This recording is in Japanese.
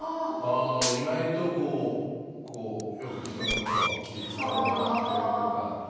意外と、よく人のことは気を遣うなというか。